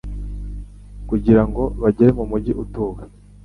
kugira ngo bagere mu mugi utuwe